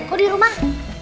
kau di rumah